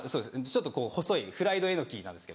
ちょっとこう細いフライドエノキなんですけど。